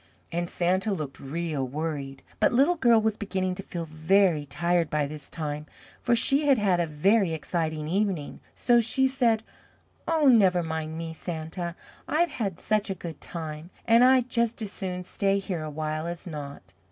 and Santa looked real worried. But Little Girl was beginning to feel very tired by this time, for she had had a very exciting evening, so she said, "Oh, never mind me, Santa. I've had such a good time, and I'd just as soon stay here a while as not.